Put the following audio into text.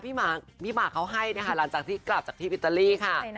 พี่หมากเขาให้นะคะหลังจากที่กลับจากที่อิตาลีค่ะ